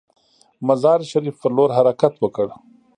مزار شریف پر لور حرکت وکړ.